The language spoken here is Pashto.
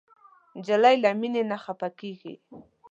نجلۍ له مینې نه خفه کېږي.